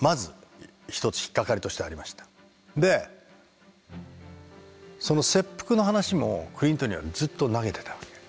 でその切腹の話もクリントにはずっと投げてたわけ。